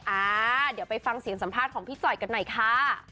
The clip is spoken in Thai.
อ่าเดี๋ยวไปฟังเสียงสัมภาษณ์ของพี่จ่อยกันหน่อยค่ะ